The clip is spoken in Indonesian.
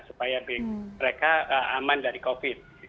supaya mereka aman dari covid sembilan belas